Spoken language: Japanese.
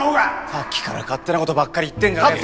さっきから勝手なことばっかり言ってんじゃない！